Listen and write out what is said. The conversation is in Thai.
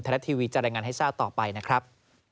รัฐทีวีจะรายงานให้ทราบต่อไปนะครับ